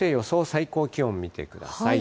最高気温を見てください。